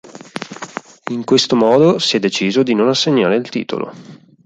In questo modo si è deciso di non assegnare il titolo.